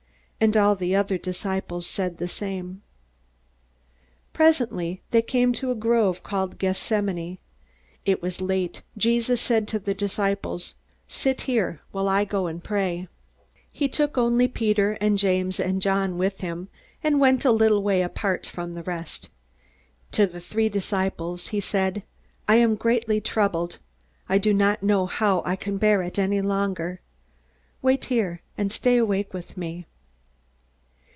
And all the other disciples said the same. Presently they came to a grove called Gethsemane. It was late. Jesus said to the disciples, "Sit here, while I go and pray." He took only Peter and James and John with him, and went a little way apart from the rest. To the three disciples he said: "I am greatly troubled. I do not know how I can bear it any longer. Wait here, and stay awake with me."